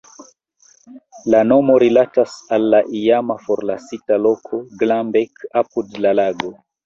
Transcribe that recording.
La nomo rilatas al la iama forlasita loko "Glambek" apud la lago.